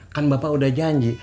kan bapak udah janji